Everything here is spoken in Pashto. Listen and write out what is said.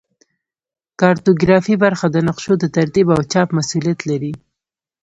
کارتوګرافي برخه د نقشو د ترتیب او چاپ مسوولیت لري